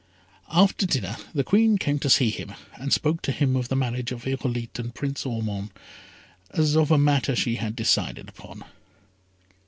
After dinner, the Queen came to see him, and spoke to him of the marriage of Irolite and Prince Ormond as of a matter she had decided upon.